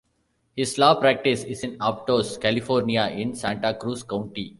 His law practice is in Aptos, California in Santa Cruz County.